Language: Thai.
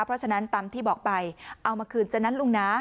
เพราะฉะนั้นตามที่บอกไปเอามาคืนซะนะลุงนะ